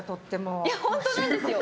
いやホントなんですよ。